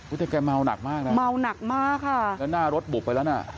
แต่แกเมาหนักมากนะเมาหนักมากค่ะแล้วหน้ารถบุบไปแล้วน่ะ